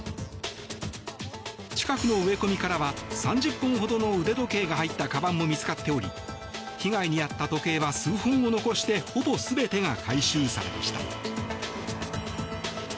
近くの植え込みからは３０本ほどの腕時計が入ったかばんも見つかっており被害に遭った時計は数本を残してほぼ全てが回収されました。